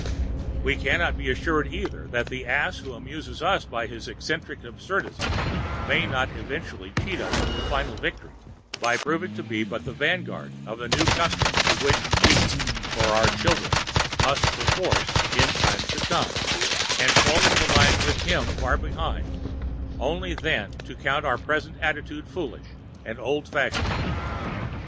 We cannot be sure, either, that the ass who amuses us by his eccentric absurdities may not eventually cheat us of the final victory by proving to be but the vanguard of a new custom to which we or our children must, perforce, in time succumb, and fall into line with him far behind, only then to count our present attitude foolish and old fashioned.